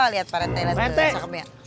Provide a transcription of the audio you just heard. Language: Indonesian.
liat pak rete liat liat cakepnya